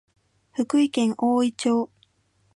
福井県おおい町